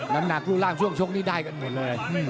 น้ำหนักรูปร่างช่วงชกนี่ได้กันหมดเลย